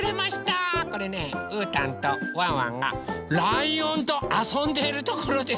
これねうーたんとワンワンがライオンとあそんでいるところです。